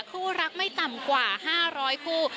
คู่รักไม่ต่ำกว่า๕๐๐คู่